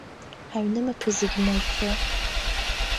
Ҳаҩнымаҭәа зегьы мажәхьеи…